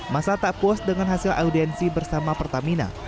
masa tak puas dengan hasil audiensi bersama pertamina